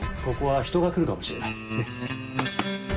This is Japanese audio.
ここは人が来るかもしれない。